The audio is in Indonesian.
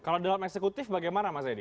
kalau dalam eksekutif bagaimana mas edi